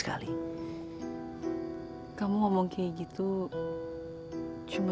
aku mau siapin kaya bakar dulu ya